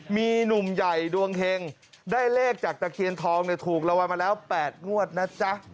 มีหนุ่มใหญ่ดวงเฮงได้เลขจากตะเคียนทองถูกรางวัลมาแล้ว๘งวดนะจ๊ะ